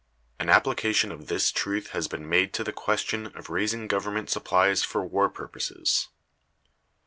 [An application of this truth has been made to the question of raising government supplies for war purposes.